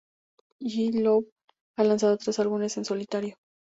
G Love ha lanzado tres álbumes en solitario.